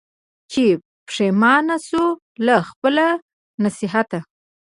چي پښېمانه سوه له خپله نصیحته